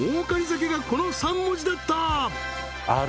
酒がこの３文字だった！